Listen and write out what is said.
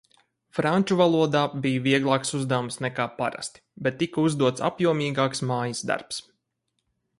Franču valodā bija vieglāks uzdevums nekā parasti, bet tika uzdots apjomīgāks mājasdarbs.